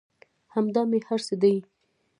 همدا مې هر څه دى.